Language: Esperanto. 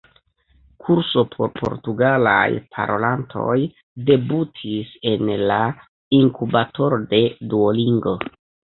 kurso por portugalaj parolantoj debutis en la inkubatoro de Duolingo